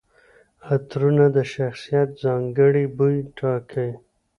عطرونه د شخصیت ځانګړي بوی ټاکي.